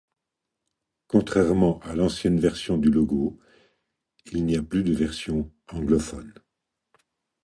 Contrairement à l’ancienne version du logo, il n’y a plus de version anglophone.